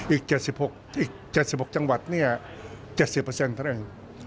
อีก๗๖จังหวัด๗๐ทั้งเอง